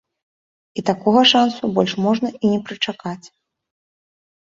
І такога шансу больш можна і не прычакаць.